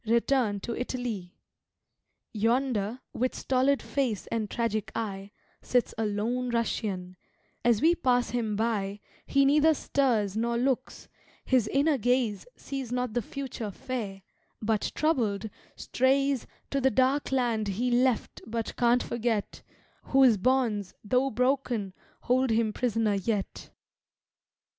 return to Italy. Yonder, with stolid face and tragic eye, Sits a lone Russian; as we pass him by He neither stirs nor looks; his inner gaze Sees not the future fair, but, troubled, strays To the dark land he left but can't forget, Whose bonds, though broken, hold him prisoner yet.